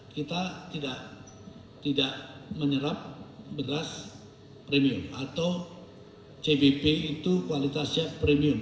kita tidak menyerap beras premium atau cbp itu kualitasnya premium